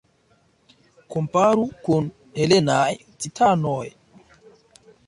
Komparu kun helenaj titanoj.